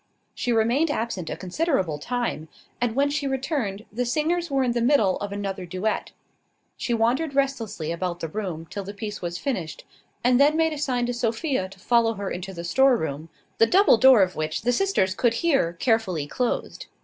She remained absent a considerable time; and when she returned, the singers were in the middle of another duet. She wandered restlessly about the room till the piece was finished, and then made a sign to Sophia to follow her into the storeroom, the double door of which the sisters could hear carefully closed.